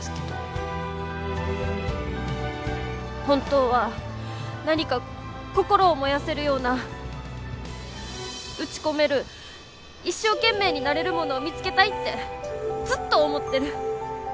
本当は何か心を燃やせるような打ち込める一生懸命になれるものを見つけたいってずっと思ってる。